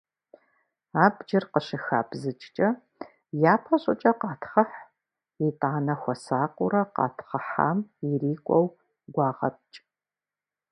Абджыр къыщыхабзыкӏкӏэ, япэ щӏыкӏэ къатхъыхь, итӏанэ хуэсакъыурэ къэтхъыхьам ирикӏуэу гуагъэпкӏ.